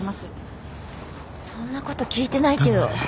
そんな事聞いてないけど。